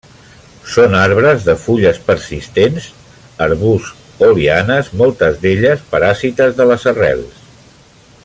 Són arbres de fulles persistents, arbusts o lianes moltes d'elles paràsites de les arrels.